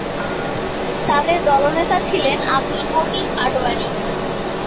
তাদের দলনেতা ছিলেন আবদুল মতিন পাটোয়ারী।